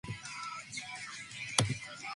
Testing proceeded, albeit a little behind schedule.